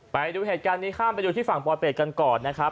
ไปดูเหตุการณ์นี้ข้ามไปดูที่ฝั่งปลอยเป็ดกันก่อนนะครับ